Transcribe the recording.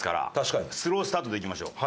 スロースタートでいきましょう。